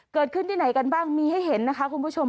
เกิดขึ้นที่ไหนกันบ้างมีให้เห็นนะคะคุณผู้ชม